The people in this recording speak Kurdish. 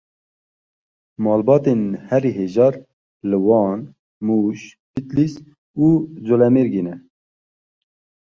Malbatên herî hejar li Wan, Mûş, Bedlîs û Colemêrgê ne.